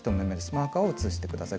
マーカーを移して下さい。